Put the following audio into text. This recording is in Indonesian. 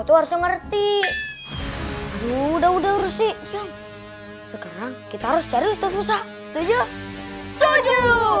tuh harus ngerti udah udah harus di sekarang kita harus cari setuju setuju